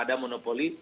tak ada monopoli